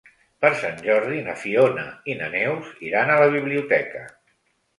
Per Sant Jordi na Fiona i na Neus iran a la biblioteca.